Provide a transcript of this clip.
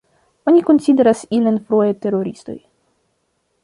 Oni konsideras ilin fruaj teroristoj.